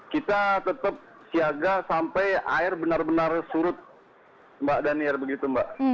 kita tetap siaga sampai air benar benar surut mbak danir begitu mbak